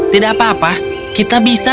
tidak apa apa kita bisa